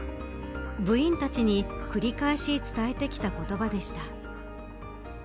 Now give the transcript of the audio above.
部員たちに繰り返し伝えてきた言葉でした。